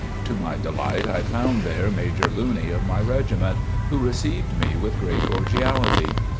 To my delight I found there Major Looney of my regiment, who received me with great cordiality.